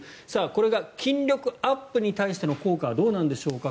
これが筋力アップに対する効果どうなんでしょうか。